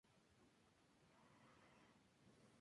Del recinto inferior sólo se conserva un lienzo de la muralla.